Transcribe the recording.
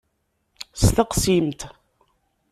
Steqsimt!